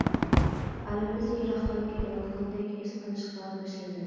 ئارىمىز يىراقلاپ كېتىۋاتقاندەك ھېس قىلىشقا باشلىدىم.